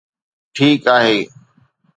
ٺيڪ آهي